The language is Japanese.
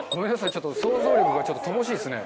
ちょっと想像力が乏しいですね。